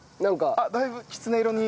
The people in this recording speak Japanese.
あっだいぶきつね色に。